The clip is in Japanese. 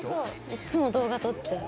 いつも動画撮っちゃう。